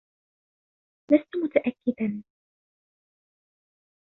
لست متأكدا.